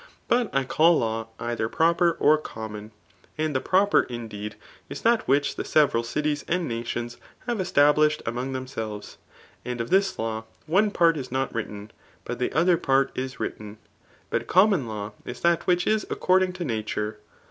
But I call law either pr<^r or copunon. And the proper, vuMed, is that whi^h the several [pities and ap^ tion83 have established aoiQUg themselves* And of this law, one part is. not written, but th^ other part is written. But common law is that which is according to nature.